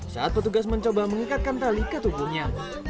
saat petugas mencoba mengikatkan tali ke tubuhnya